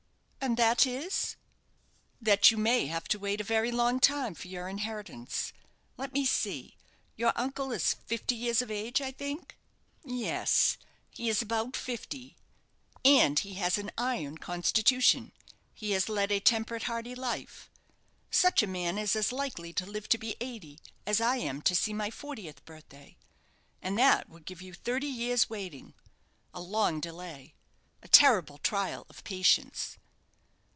"And that is " "That you may have to wait a very long time for your inheritance. Let me see; your uncle is fifty years of age, I think?" "Yes; he is about fifty." "And he has an iron constitution. He has led a temperate, hardy life. Such a man is as likely to live to be eighty as I am to see my fortieth birthday. And that would give you thirty years' waiting: a long delay a terrible trial of patience."